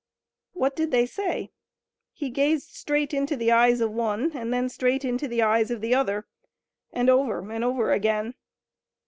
What did they say? He gazed straight into the eyes of one and then straight into the eyes of the other, and over and over again.